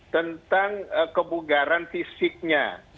tentang kebugaran fisiknya